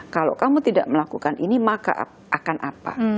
kalau kamu tidak melakukan ini maka akan apa